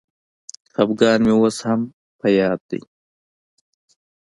خپګان مي اوس هم په یاد دی.